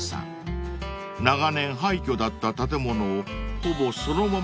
［長年廃墟だった建物をほぼそのままの形で残し営業］